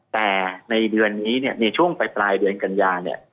แต่ในเดือนนี้ช่วงปลายเดือนกันยา